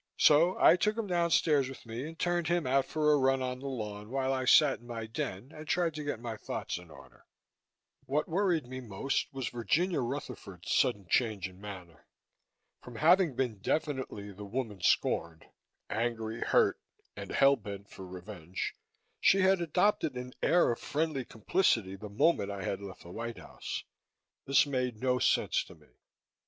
So I took him downstairs with me and turned him out for a run on the lawn while I sat in my den and tried to get my thoughts in order. What worried me most was Virginia Rutherford's sudden change in manner. From having been definitely the woman scorned angry, hurt and hell bent for revenge she had adopted an air of friendly complicity the moment I had left the White House. This made no sense to me.